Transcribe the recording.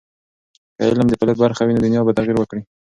که علم د فعالیت برخه وي، نو دنیا به تغیر وکړي.